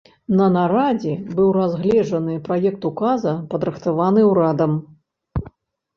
На нарадзе быў разгледжаны праект указа, падрыхтаваны ўрадам.